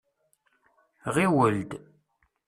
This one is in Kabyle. Ɣiwel-d.